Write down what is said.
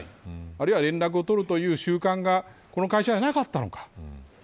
あるいは連絡を取るという習慣がこの会社にはなかったのか。